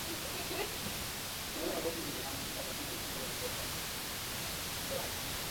আহত ব্যক্তিদের মধ্যে চারজনকে খুলনা মেডিকেল কলেজ হাসপাতালে ভর্তি করা হয়েছে।